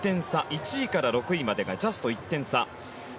１位から６位までがジャスト１点差。